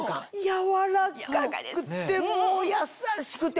柔らかくてもう優しくて。